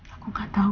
aku gak tau